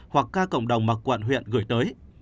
hoặc ca cộng đồng mặc quận huyện gửi tới